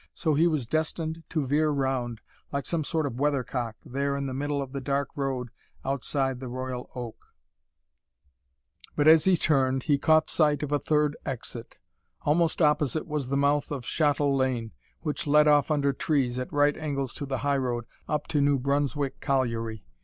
So he was destined to veer round, like some sort of weather cock, there in the middle of the dark road outside the "Royal Oak." But as he turned, he caught sight of a third exit. Almost opposite was the mouth of Shottle Lane, which led off under trees, at right angles to the highroad, up to New Brunswick Colliery.